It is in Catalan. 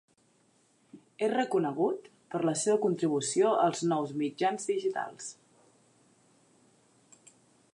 És reconegut per la seva contribució als nous mitjans digitals.